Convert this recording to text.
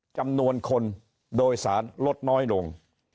จำนวนคนโดยสารลดน้อยลง